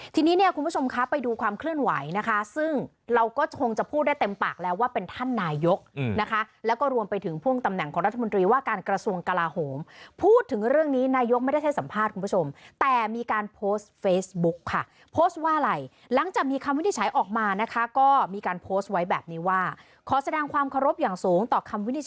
ทีนี้เนี่ยคุณผู้ชมคะไปดูความเคลื่อนไหวนะคะซึ่งเราก็คงจะพูดได้เต็มปากแล้วว่าเป็นท่านนายกนะคะแล้วก็รวมไปถึงพ่วงตำแหน่งของรัฐมนตรีว่าการกระทรวงกลาโหมพูดถึงเรื่องนี้นายกไม่ได้ให้สัมภาษณ์คุณผู้ชมแต่มีการโพสต์เฟซบุ๊กค่ะโพสต์ว่าอะไรหลังจากมีคำวินิจฉัยออกมานะคะก็มีการโพสต์ไว้แบบนี้ว่าขอแสดงความเคารพอย่างสูงต่อคำวินิจ